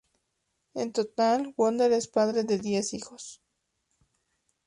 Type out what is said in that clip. En total, Wonder es padre de diez hijos.